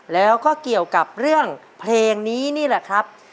แล้วก็เกี่ยวกับเรื่องเพลงนี้นี่แหละครับ